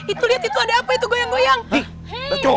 itu lihat itu ada apa itu goyang goyang